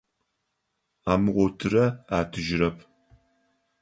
Амыгъотырэ атыжьырэп.